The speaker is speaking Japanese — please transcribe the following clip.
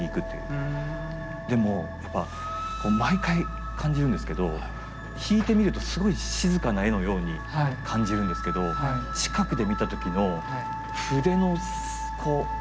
でもやっぱ毎回感じるんですけど引いてみるとすごい静かな絵のように感じるんですけど近くで見た時の筆のこう。